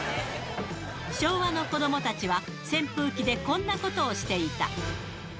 昭和の子どもたちは、扇風機でこんなことをしていた。